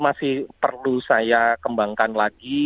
masih perlu saya kembangkan lagi